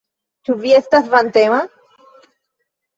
Ĉu vi estas vantema?